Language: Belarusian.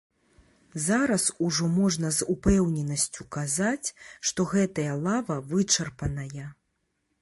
Зараз ужо можна з упэўненасцю казаць, што гэтая лава вычарпаная.